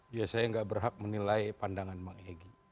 iya saya enggak berhak menilai pandangan bang egy